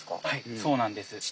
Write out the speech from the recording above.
はいそうなんです。